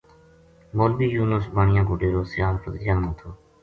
مولوی یونس بانیا کو ڈیرو سیال فتح جنگ ما تھو